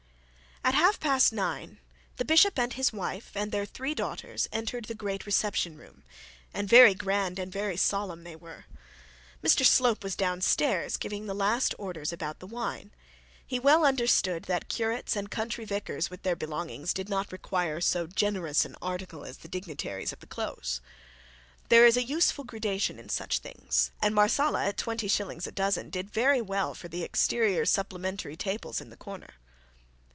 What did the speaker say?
At half past nine the bishop and his wife and their three daughters entered the great reception room, and very grand and very solemn they were. Mr Slope was down stairs giving the last orders about the wine. He well understood that curates and country vicars with their belongings did not require so generous an article as the dignitaries of the close. There is a useful gradation in such things, and Marsala at 20s a dozen did very well for the exterior supplementary tables in the corner.